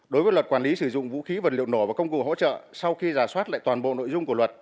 đối với luật quản lý sử dụng vũ khí vật liệu nổ và công cụ hỗ trợ sau khi giả soát lại toàn bộ nội dung của luật